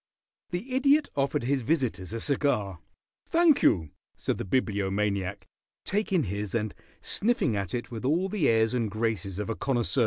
The Idiot offered his visitors a cigar. "Thank you," said the Bibliomaniac, taking his and sniffing at it with all the airs and graces of a connoisseur.